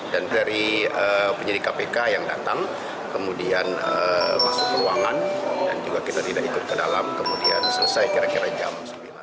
dan dari penyidik kpk yang datang kemudian masuk ke ruangan dan juga kita tidak ikut ke dalam kemudian selesai kira kira jam sembilan